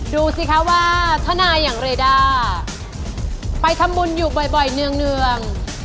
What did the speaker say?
ดูสิคะว่าทนายอย่างเรด้าไปทำบุญอยู่บ่อยเนือง